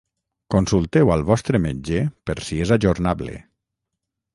Consulteu al vostre metge per si és ajornable.